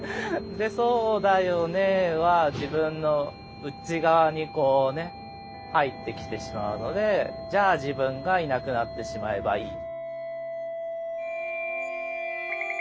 で「そうだよね」は自分の内側にこうね入ってきてしまうのでじゃあ自分がいなくなってしまえばいい。